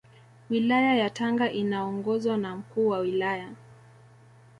Wilaya ya Tanga inaongozwa na Mkuu wa Wilaya